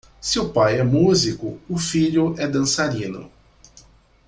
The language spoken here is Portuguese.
Se o pai é músico, o filho é dançarino.